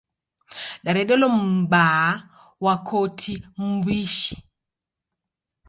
Daredelo m'baa wa koti m'wishi.